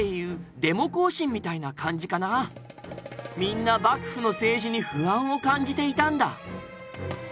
みんな幕府の政治に不安を感じていたんだ。